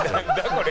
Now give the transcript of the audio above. これ。